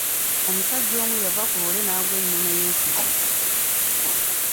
Omusajja omu yava ku loole n'aggwa ennume y'ekigwo.